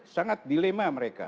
sangat dilema mereka